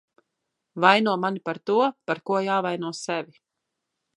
Vaino mani par to, par ko jāvaino sevi.